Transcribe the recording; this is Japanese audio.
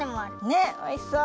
ねっおいしそう！